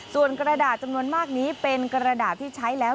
ส่วนกระดาษจำนวนมากนี้เป็นกระดาษที่ใช้แล้ว